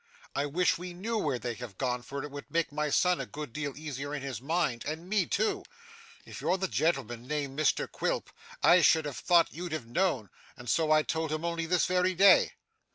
'I wish we knew where they have gone, for it would make my son a good deal easier in his mind, and me too. If you're the gentleman named Mr Quilp, I should have thought you'd have known, and so I told him only this very day.